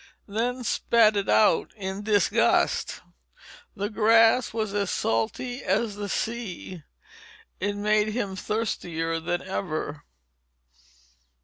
Then spat it out in disgust. The grass was as salty as the sea. It made him thirstier than ever.